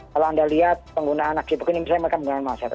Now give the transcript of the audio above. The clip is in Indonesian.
kalau anda lihat penggunaan aksi begini misalnya mereka menggunakan masker